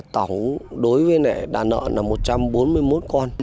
tổng đối với nệ đà nợ là một trăm bốn mươi một con